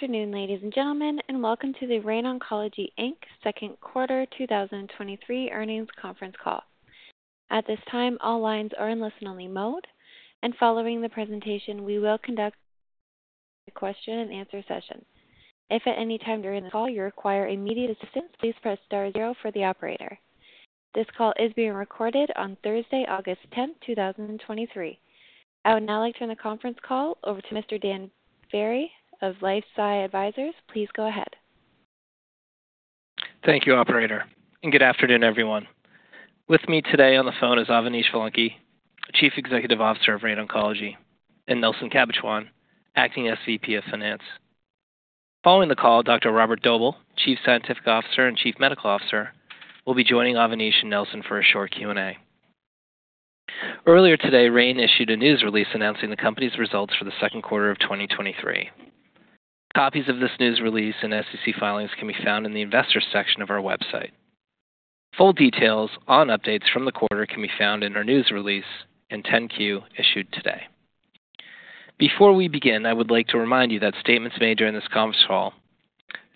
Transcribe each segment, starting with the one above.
Good afternoon, ladies and gentlemen. Welcome to the Rain Oncology, Inc. Second Quarter 2023 Earnings Conference Call. At this time, all lines are in listen-only mode. Following the presentation, we will conduct a question-and-answer session. If at any time during the call you require immediate assistance, please press star zero for the operator. This call is being recorded on Thursday, August 10th, 2023. I would now like to turn the conference call over to Mr. Dan Ferry of LifeSci Advisors. Please go ahead. Thank you, operator, good afternoon, everyone. With me today on the phone is Avanish Vellanki, Chief Executive Officer of Rain Oncology, and Nelson Cabatuan, Acting SVP of Finance. Following the call, Dr. Robert Doebele, Chief Scientific Officer and Chief Medical Officer, will be joining Avanish and Nelson for a short Q&A. Earlier today, Rain issued a news release announcing the company's results for the second quarter of 2023. Copies of this news release and SEC filings can be found in the investors section of our website. Full details on updates from the quarter can be found in our news release and 10-Q issued today. Before we begin, I would like to remind you that statements made during this conference call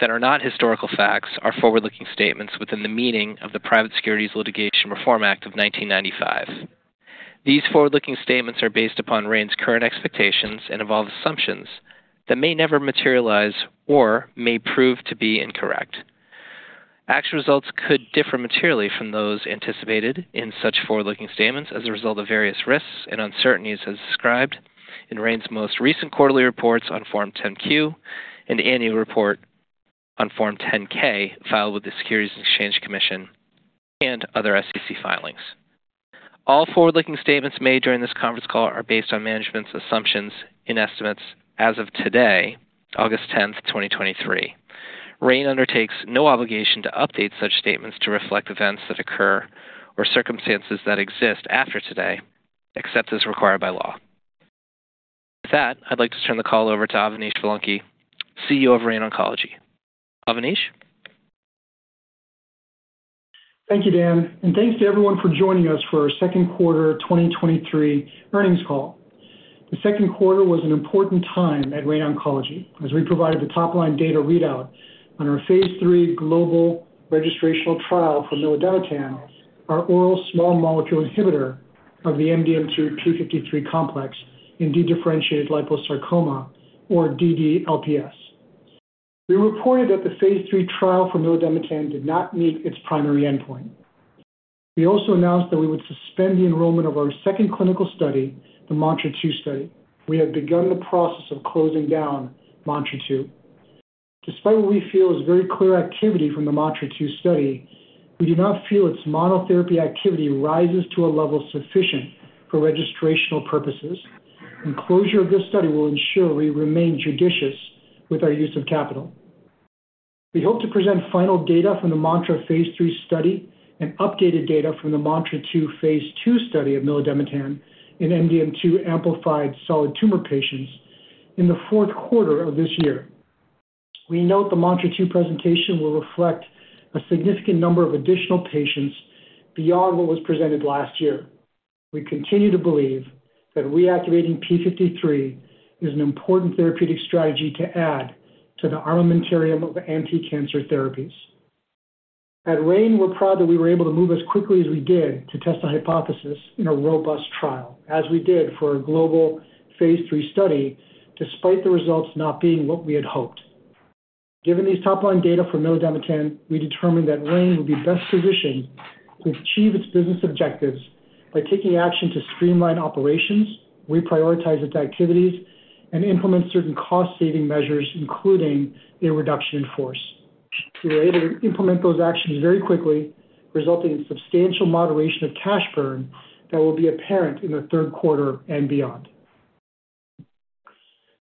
that are not historical facts are forward-looking statements within the meaning of the Private Securities Litigation Reform Act of 1995. These forward-looking statements are based upon Rain's current expectations and involve assumptions that may never materialize or may prove to be incorrect. Actual results could differ materially from those anticipated in such forward-looking statements as a result of various risks and uncertainties as described in Rain's most recent quarterly reports on Form 10-Q and annual report on Form 10-K, filed with the Securities and Exchange Commission and other SEC filings. All forward-looking statements made during this conference call are based on management's assumptions and estimates as of today, August 10, 2023. Rain undertakes no obligation to update such statements to reflect events that occur or circumstances that exist after today, except as required by law. With that, I'd like to turn the call over to Avanish Vellanki, CEO of Rain Oncology. Avanish? Thank you, Dan, and thanks to everyone for joining us for our second quarter 2023 earnings call. The second quarter was an important time at Rain Oncology as we provided the top-line data readout on our Phase 3 global registrational trial for milademetan, our oral small molecule inhibitor of the MDM2 p53 complex in dedifferentiated liposarcoma, or DDLPS. We reported that the Phase 3 trial for milademetan did not meet its primary endpoint. We also announced that we would suspend the enrollment of our second clinical study, the MANTRA-2 study. We have begun the process of closing down MANTRA-2. Despite what we feel is very clear activity from the MANTRA-2 study, we do not feel its monotherapy activity rises to a level sufficient for registrational purposes, and closure of this study will ensure we remain judicious with our use of capital. We hope to present final data from the MANTRA phase three study and updated data from the MANTRA-2 phase two study of milademetan in MDM2-amplified solid tumor patients in the fourth quarter of this year. We note the MANTRA-2 presentation will reflect a significant number of additional patients beyond what was presented last year. We continue to believe that reactivating p53 is an important therapeutic strategy to add to the armamentarium of anticancer therapies. At Rain, we're proud that we were able to move as quickly as we did to test the hypothesis in a robust trial, as we did for a global phase 3 study, despite the results not being what we had hoped. Given these top-line data for milademetan, we determined that Rain would be best positioned to achieve its business objectives by taking action to streamline operations, reprioritize its activities, and implement certain cost-saving measures, including a reduction in force. We were able to implement those actions very quickly, resulting in substantial moderation of cash burn that will be apparent in the third quarter and beyond.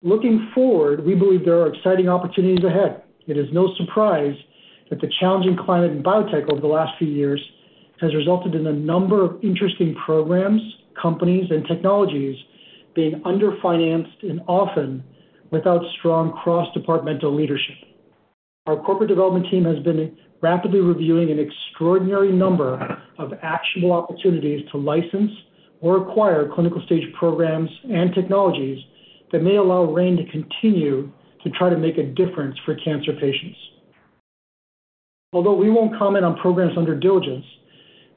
Looking forward, we believe there are exciting opportunities ahead. It is no surprise that the challenging climate in biotech over the last few years has resulted in a number of interesting programs, companies, and technologies being underfinanced and often without strong cross-departmental leadership. Our corporate development team has been rapidly reviewing an extraordinary number of actionable opportunities to license or acquire clinical-stage programs and technologies that may allow Rain to continue to try to make a difference for cancer patients. Although we won't comment on programs under diligence,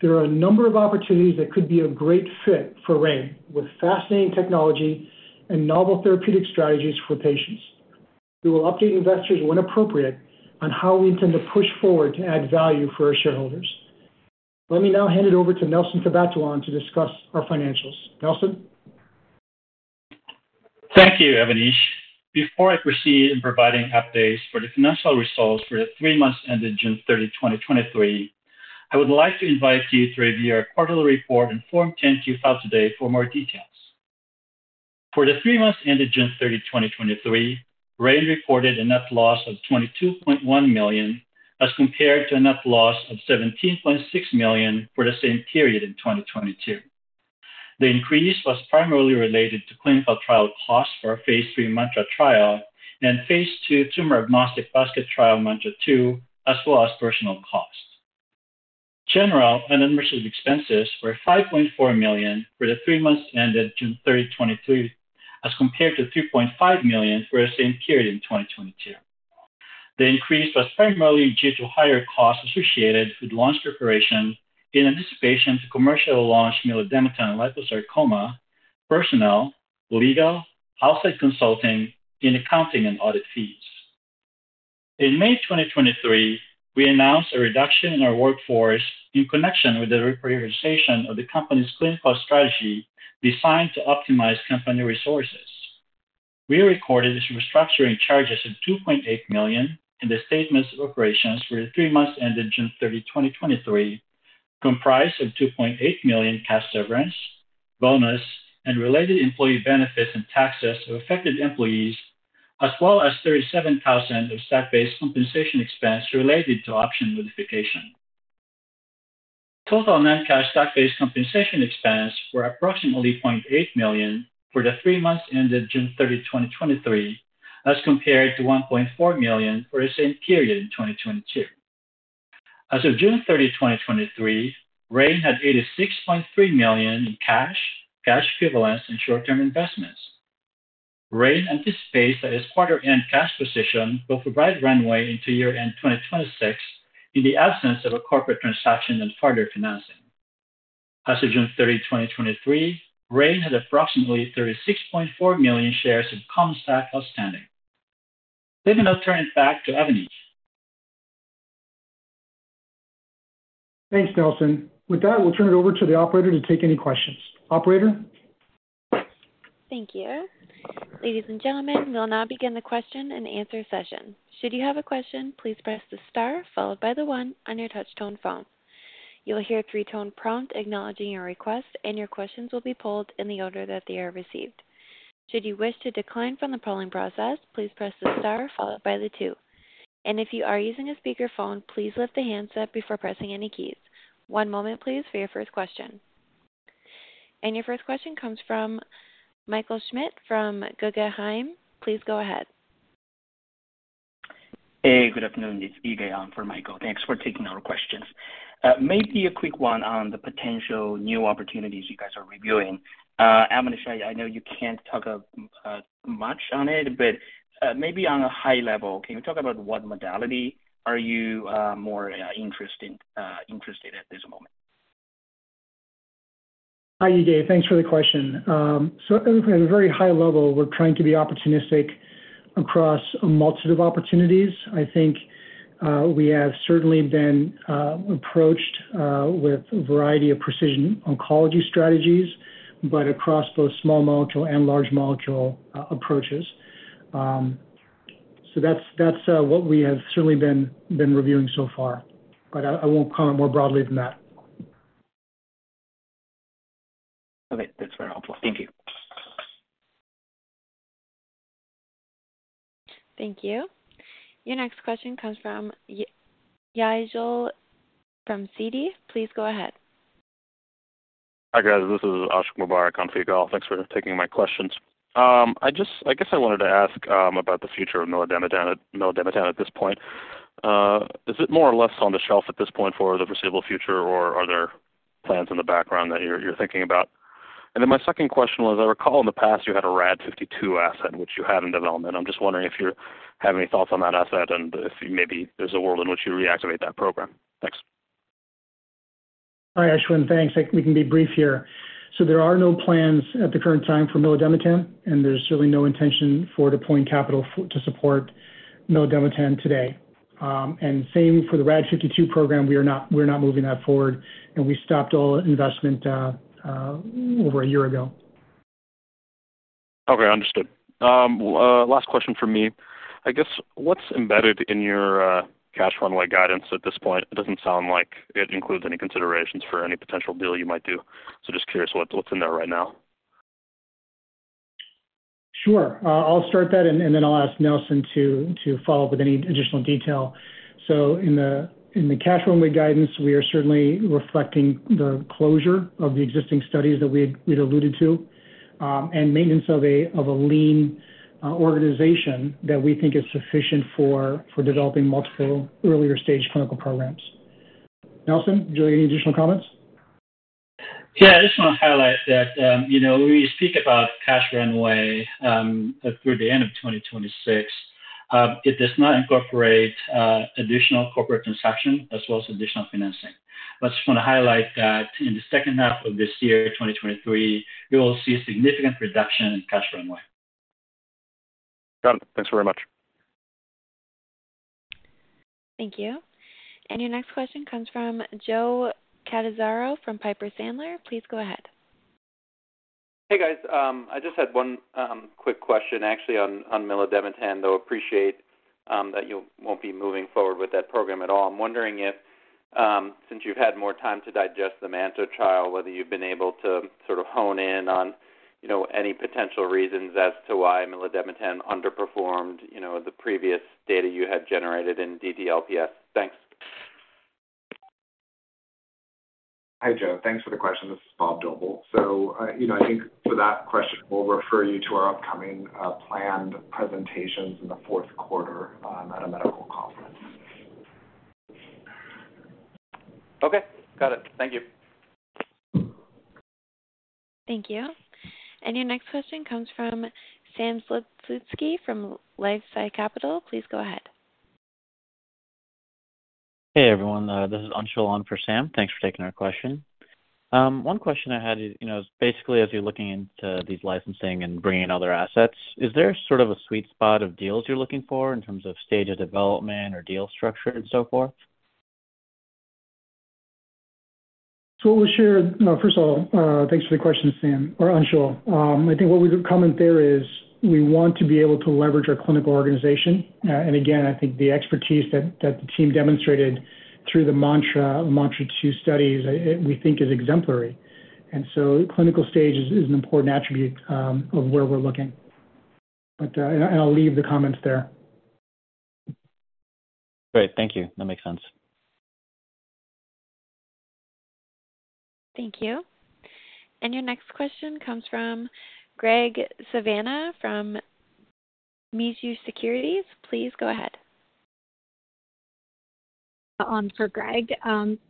there are a number of opportunities that could be a great fit for Rain, with fascinating technology and novel therapeutic strategies for patients. We will update investors when appropriate on how we intend to push forward to add value for our shareholders. Let me now hand it over to Nelson Cabatuan to discuss our financials. Nelson? Thank you, Avanish. Before I proceed in providing updates for the financial results for the three months ended June 30, 2023, I would like to invite you to review our quarterly report and Form 10-Q filed today for more details. For the three months ended June 30, 2023, Rain reported a net loss of $22.1 million, as compared to a net loss of $17.6 million for the same period in 2022. The increase was primarily related to clinical trial costs for our phase three MANTRA trial and phase two tumor-agnostic basket trial, MANTRA-2, as well as personal costs. General and administrative expenses were $5.4 million for the three months ended June 30, 2023, as compared to $3.5 million for the same period in 2022. The increase was primarily due to higher costs associated with launch preparation in anticipation to commercial launch milademetan liposarcoma, personnel, legal, outside consulting, and accounting and audit fees. In May 2023, we announced a reduction in our workforce in connection with the reprioritization of the company's clinical strategy, designed to optimize company resources. We recorded restructuring charges of $2.8 million in the statements of operations for the three months ended June 30, 2023, comprised of $2.8 million cash severance, bonus, and related employee benefits and taxes of affected employees, as well as $37,000 of stock-based compensation expense related to option modification. Total non-cash stock-based compensation expense were approximately $0.8 million for the three months ended June 30, 2023, as compared to $1.4 million for the same period in 2022. As of June 30, 2023, Rain had $86.3 million in cash, cash equivalents and short-term investments. Rain anticipates that its quarter-end cash position will provide runway into year-end 2026, in the absence of a corporate transaction and further financing. As of June 30, 2023, Rain had approximately 36.4 million shares of common stock outstanding. Let us now turn it back to Avanish. Thanks, Nelson. With that, we'll turn it over to the operator to take any questions. Operator? Thank you. Ladies and gentlemen, we'll now begin the question and answer session. Should you have a question, please press the star followed by the one on your touchtone phone. You will hear a 3-tone prompt acknowledging your request, and your questions will be pulled in the order that they are received. Should you wish to decline from the polling process, please press the star followed by the two. If you are using a speakerphone, please lift the handset before pressing any keys. One moment, please, for your first question. Your first question comes from Michael Schmidt from Guggenheim. Please go ahead. Hey, good afternoon. It's Yige on for Michael. Thanks for taking our questions. Maybe a quick one on the potential new opportunities you guys are reviewing. I'm going to show you, I know you can't talk much on it, but maybe on a high level, can you talk about what modality are you more interested at this moment? Hi, Yige. Thanks for the question. At a very high level, we're trying to be opportunistic across a multitude of opportunities. I think we have certainly been approached with a variety of precision oncology strategies, but across both small molecule and large molecule approaches. That's, that's what we have certainly been, been reviewing so far, but I, I won't comment more broadly than that. Okay. That's very helpful. Thank you. Thank you. Your next question comes from Yigal from Citi. Please go ahead. Hi, guys. This is Ashiq Mubarack on Yigal. Thanks for taking my questions. I guess I wanted to ask about the future of milademetan at this point. Is it more or less on the shelf at this point for the foreseeable future, or are there plans in the background that you're thinking about? My second question was, I recall in the past you had a RAD52 asset, which you had in development. I'm just wondering if you have any thoughts on that asset and if maybe there's a world in which you reactivate that program. Thanks. Hi, Ashiq. Thanks. I think we can be brief here. There are no plans at the current time for milademetan, and there's certainly no intention for deploying capital to support milademetan today. Same for the RAD52 program. We are not, we're not moving that forward, and we stopped all investment over a year ago. Okay, understood. Last question from me. I guess, what's embedded in your cash runway guidance at this point? It doesn't sound like it includes any considerations for any potential deal you might do. Just curious what, what's in there right now. Sure. I'll start that, and, and then I'll ask Nelson to, to follow up with any additional detail. In the, in the cash runway guidance, we are certainly reflecting the closure of the existing studies that we had alluded to, and maintenance of a, of a lean organization that we think is sufficient for, for developing multiple earlier stage clinical programs. Nelson, do you have any additional comments? Yeah, I just want to highlight that, you know, when we speak about cash runway, through the end of 2026, it does not incorporate additional corporate transaction as well as additional financing. I just want to highlight that in the second half of this year, 2023, we will see a significant reduction in cash runway. Got it. Thanks very much. Thank you. Your next question comes from Joe Catanzaro from Piper Sandler. Please go ahead. Hey, guys. I just had one quick question actually on milademetan, though I appreciate that you won't be moving forward with that program at all. I'm wondering if, since you've had more time to digest the MANTRA trial, whether you've been able to sort of hone in on, you know, any potential reasons as to why milademetan underperformed, you know, the previous data you had generated in DDLPS. Thanks. Hi, Joe. Thanks for the question. This is Bob Doebele. You know, I think for that question, we'll refer you to our upcoming, planned presentations in the fourth quarter, at a medical conference. Okay, got it. Thank you. Thank you. Your next question comes from Sam Slutsky from LifeSci Capital. Please go ahead. Hey, everyone, this is Anshul on for Sam. Thanks for taking our question. One question I had is, you know, basically, as you're looking into these licensing and bringing other assets, is there sort of a sweet spot of deals you're looking for in terms of stage of development or deal structure and so forth? We'll share... first of all, thanks for the question, Sam or Anshul. I think what we would comment there is, we want to be able to leverage our clinical organization. Again, I think the expertise that, that the team demonstrated through the MANTRA, MANTRA-2 studies, we think is exemplary. So clinical stage is, is an important attribute, of where we're looking.... and I'll leave the comments there. Great. Thank you. That makes sense. Thank you. Your next question comes from Graig Suvannavejh from Mizuho Securities. Please go ahead. For Greg,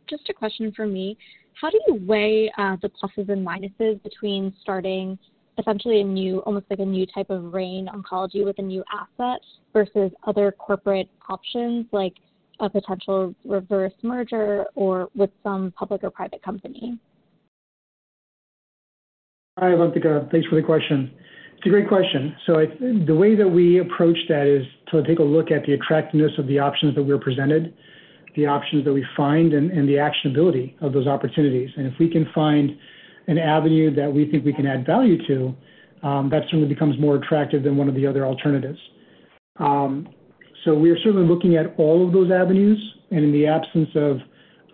just a question from me. How do you weigh the pluses and minuses between starting essentially a new, almost like a new type of Rain Oncology with a new asset, versus other corporate options, like a potential reverse merger or with some public or private company? Hi, Lantika. Thanks for the question. It's a great question. I- the way that we approach that is to take a look at the attractiveness of the options that we are presented, the options that we find, and, and the actionability of those opportunities. If we can find an avenue that we think we can add value to, that certainly becomes more attractive than one of the other alternatives. We are certainly looking at all of those avenues, and in the absence of,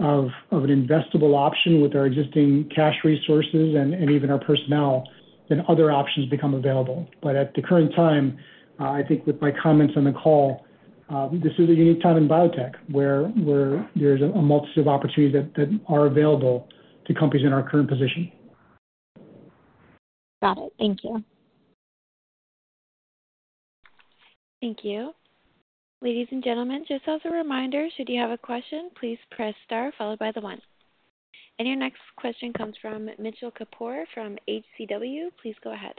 of, of an investable option with our existing cash resources and, and even our personnel, then other options become available. At the current time, I think with my comments on the call, this is a unique time in biotech where, where there's a multitude of opportunities that, that are available to companies in our current position. Got it. Thank you. Thank you. Ladies and gentlemen, just as a reminder, should you have a question, please press Star followed by the 1. Your next question comes from Mitchell Kapoor from HCW. Please go ahead.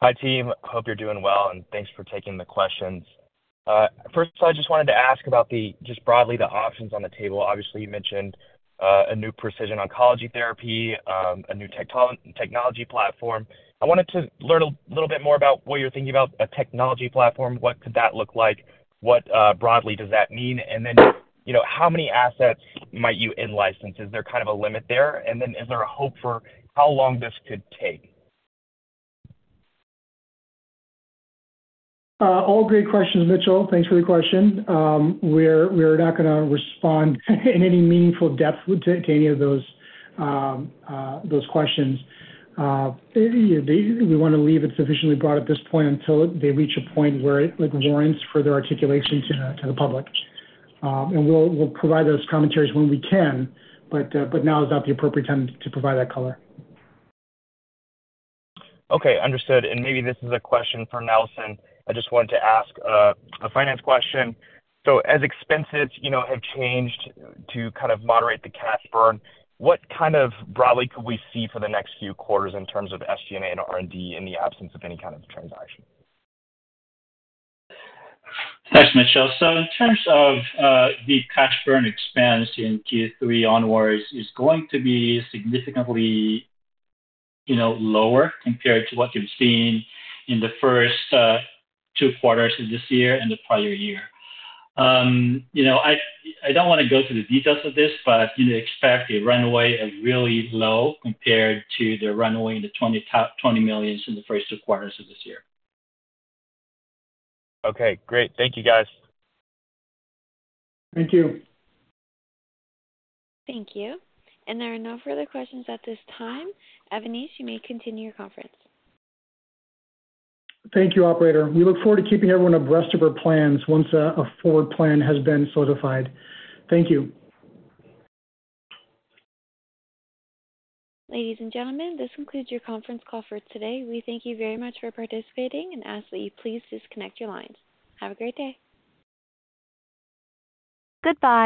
Hi, team. Hope you're doing well, thanks for taking the questions. First of all, I just wanted to ask about the, just broadly, the options on the table. Obviously, you mentioned, a new precision oncology therapy, a new technology platform. I wanted to learn a little bit more about what you're thinking about a technology platform. What could that look like? What, broadly does that mean? Then, you know, how many assets might you in-license? Is there kind of a limit there? Then is there a hope for how long this could take? All great questions, Mitchell. Thanks for the question. We're, we're not gonna respond in any meaningful depth with, to, to any of those, those questions. They, they... We want to leave it sufficiently broad at this point until they reach a point where it, like, warrants further articulation to the, to the public. We'll, we'll provide those commentaries when we can, but now is not the appropriate time to provide that color. Okay, understood. Maybe this is a question for Nelson. I just wanted to ask, a finance question. As expenses, you know, have changed to kind of moderate the cash burn, what kind of broadly could we see for the next few quarters in terms of SG&A and R&D, in the absence of any kind of transaction? Thanks, Mitchell. In terms of the cash burn expense in Q3 onwards is going to be significantly, you know, lower compared to what you've seen in the first two quarters of this year and the prior year. You know, I, I don't want to go through the details of this, but you'd expect a runaway as really low compared to the runaway in the $20 million in the first two quarters of this year. Okay, great. Thank you, guys. Thank you. Thank you. There are no further questions at this time. Avanish, you may continue your conference. Thank you, operator. We look forward to keeping everyone abreast of our plans once a forward plan has been solidified. Thank you. Ladies and gentlemen, this concludes your conference call for today. We thank you very much for participating and ask that you please disconnect your lines. Have a great day. Goodbye.